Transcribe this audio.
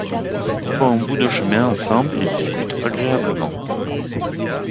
Ils font un bout de chemin ensemble et discutent agréablement.